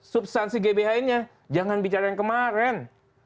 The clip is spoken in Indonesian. substansi gbhn nya jangan bicara yang kemarin